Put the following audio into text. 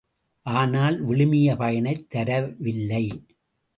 ஆனால் விழுமிய பயனைத் தரவில்லை.